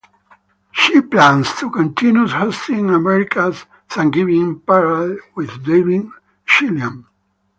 She plans to continue hosting America's Thanksgiving Parade with Devin Scillian.